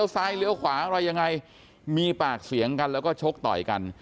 ซ้ายเลี้ยวขวาอะไรยังไงมีปากเสียงกันแล้วก็ชกต่อยกัน